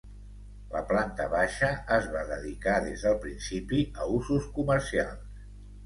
La planta baixa es va dedicar des del principi a usos comercials.